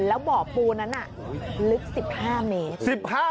แล้วเบาะปูนนั้นน่ะลึก๑๕เมตร